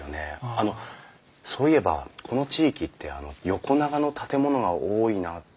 あのそういえばこの地域って横長の建物が多いなっていう印象なんですけども。